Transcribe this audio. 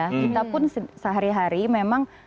kita pun sehari hari memang